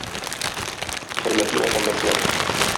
Хөрмәтле ватандашлар!